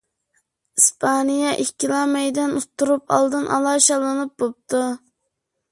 ئىسپانىيە ئىككىلا مەيدان ئۇتتۇرۇپ ئالدىنئالا شاللىنىپ بوپتۇ.